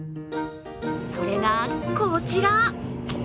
それがこちら。